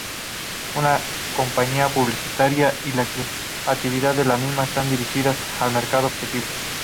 Una campaña publicitaria y la creatividad de la misma están dirigidas al mercado objetivo.